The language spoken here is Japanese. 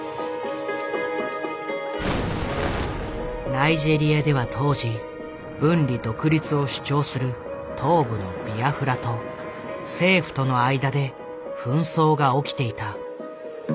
ナイジェリアでは当時分離独立を主張する東部のビアフラと政府との間で紛争が起きていた。